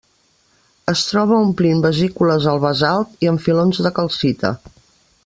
Es troba omplint vesícules al basalt i en filons de calcita.